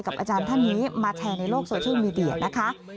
กับอาจารย์ท่านนี้มาแต่ในโลกสอเชียลมิวเดียนะคะ